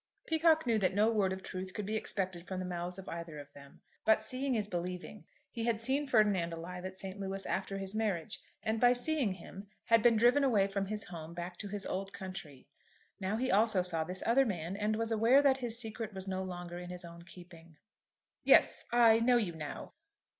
Peacocke knew that no word of truth could be expected from the mouths of either of them. But seeing is believing. He had seen Ferdinand alive at St. Louis after his marriage, and by seeing him, had been driven away from his home back to his old country. Now he also saw this other man, and was aware that his secret was no longer in his own keeping. "Yes, I know you now.